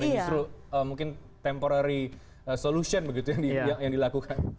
dan justru mungkin temporary solution yang dilakukan